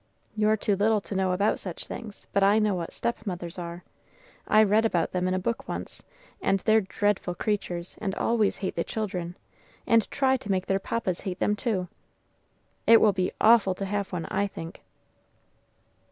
You're too little to know about such things, but I know what stepmothers are. I read about them in a book once, and they're dreadful creatures, and always hate the children, and try to make their Papas hate them too. It will be awful to have one, I think."